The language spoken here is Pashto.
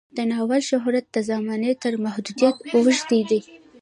د ناول شهرت د زمانې تر محدودیت اوښتی دی.